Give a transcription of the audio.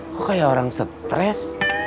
kok kayak orang stres